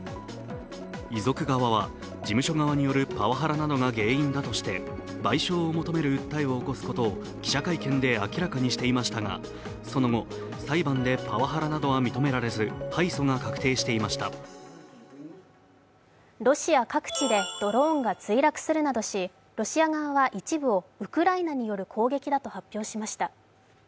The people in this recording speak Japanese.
遺族側は、事務所側によるパワハラなどが原因だとして賠償を求める訴えを起こすことを記者会見で明らかにしていましたが、その後、裁判でパワハラなどは認められずロシア各地でドローンが墜落するなどし、ロシア側は一部をウクライナの攻撃だと発表しました。